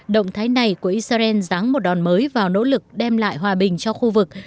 động thái này của israel ráng một đòn mới vào nỗ lực đem lại hòa bình cho khu vực